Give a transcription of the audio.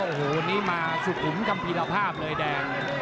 โอ้โหนี่มาสุขุมกัมพิฤาภาพเลยแดง